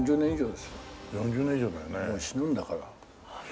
もう死ぬんだから。